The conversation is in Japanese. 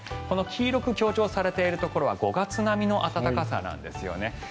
黄色く強調されているところは５月並みの暖かさなんですよね。